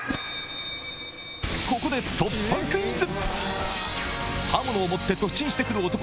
ここで突破クイズ！